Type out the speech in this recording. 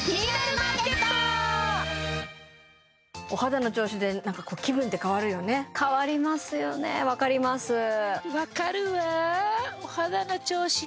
お肌の調子でなんか気分って変わるよね変わりますよね分かりますえ？